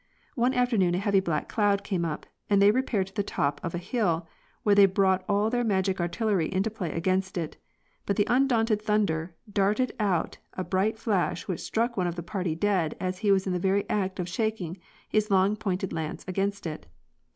One afternoon a heavy black cloud came up, and they re paired to the top of a hill, where they brought all their magic artillery into play against it; but the undaunted thunder darted out a bright flash which struck one of the party dead as he was in the very act of shaking his long pointed lance against it.